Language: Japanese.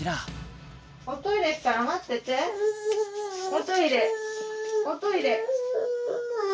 おトイレおトイレ。